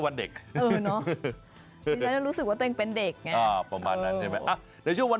วันเด็กเออเนอะบอล์มานนั้นใช่มั้ยอ๊ะในช่วงวัน